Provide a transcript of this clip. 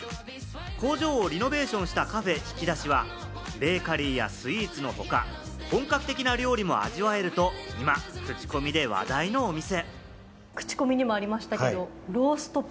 工場をリノベーションしたカフェ・ヒキダシは、ベーカリーやスイーツの他、本格的な料理も味わえると、今、クチコミで話題のお店。